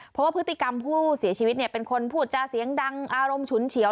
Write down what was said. เพราะว่าพฤติกรรมผู้เสียชีวิตเป็นคนพูดจาเสียงดังอารมณ์ฉุนเฉียว